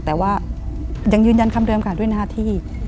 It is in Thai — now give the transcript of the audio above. แต่ว่ายังยืนยันคำเดิมค่ะด้วยหน้าที่